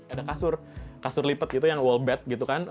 ada kasur kasur lipat gitu yang wall bed gitu kan